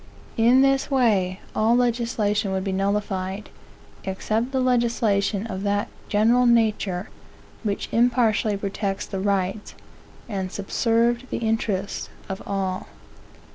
In this way all legislation would be nullified, except the legislation of that general nature which impartially protected the rights, and subserved the interests, of all.